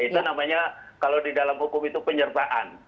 itu namanya kalau di dalam hukum itu penyertaan